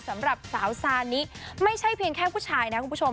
สำหรับสาวซานิไม่ใช่เพียงแค่ผู้ชายนะคุณผู้ชม